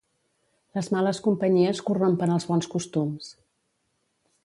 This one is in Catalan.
Les males companyies corrompen els bons costums.